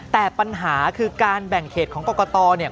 แต่ปัญหาคือการแบ่งเขตของกรกตเนี่ย